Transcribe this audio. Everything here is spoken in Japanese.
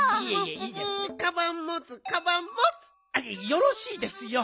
よろしいですよ。